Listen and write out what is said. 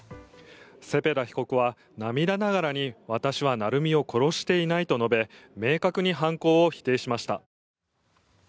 セペダ被告は涙ながらに私は愛海を殺していないと述べ明確に犯行を否定しました。